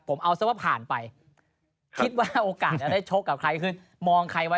ผมเอาซะว่าผ่านไปคิดว่าโอกาสจะได้ชกกับใครคือมองใครไว้